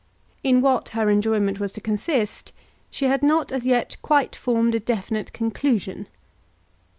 In what her enjoyment was to consist, she had not as yet quite formed a definite conclusion.